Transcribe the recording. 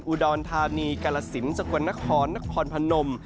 อุดอนทานีกาลาศินสกวนนครนครพนม